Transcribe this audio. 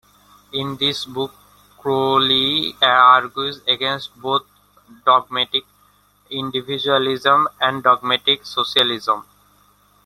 In this book, Croly argues against both dogmatic individualism and dogmatic socialism.